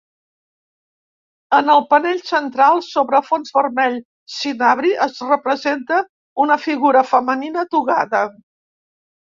En el panell central, sobre fons vermell cinabri, es representa una figura femenina togada.